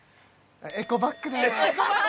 エコバッグだ！